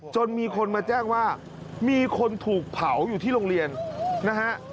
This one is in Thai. จนมีคนมาแจ้งว่ามีคนถูกเผาอยู่ที่โรงเรียนนะฮะ